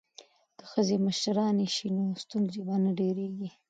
که ښځې مشرانې شي نو ستونزې به نه ډیریږي.